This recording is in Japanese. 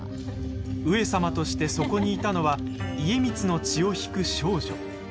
上様としてそこにいたのは家光の血を引く少女。